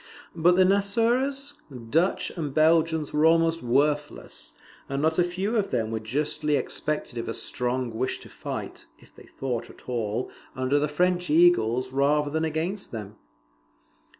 But the Nassauers, Dutch, and Belgians were almost worthless; and not a few of them were justly suspected of a strong wish to fight, if they fought at all, under the French eagles rather than against them.